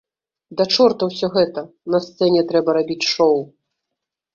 Да чорта ўсё гэта, на сцэне трэба рабіць шоў!